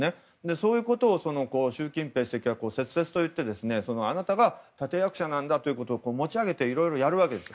そういうことを習近平主席はせつせつと言ってあなたが立役者なんだということを持ち上げていろいろとやるわけです。